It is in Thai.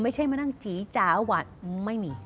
ไม่ใช่มานั่งจี๊จาวะไม่มี